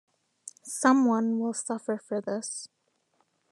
Someone will suffer for this.